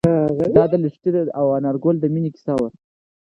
دا د لښتې او انارګل د مینې کیسه وه.